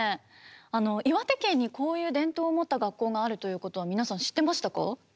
岩手県にこういう伝統を持った学校があるということは皆さん知ってましたか？